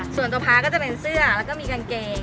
ส่วนตัวพระก็จะเป็นเสื้อแล้วก็มีกางเกง